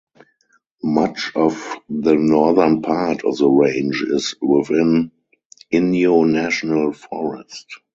Much of the northern part of the range is within Inyo National Forest.